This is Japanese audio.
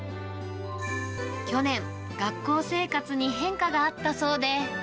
去年、学校生活に変化があったそうで。